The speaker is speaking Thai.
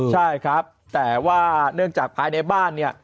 ใช่ครับแต่ว่าเนื่องจากภายในบ้านเนี่ย